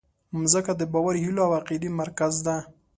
مځکه د باور، هیلو او عقیدې مرکز ده.